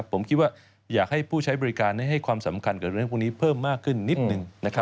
ผมคิดว่าอยากให้ผู้ใช้บริการให้ความสำคัญกับเรื่องพวกนี้เพิ่มมากขึ้นนิดนึง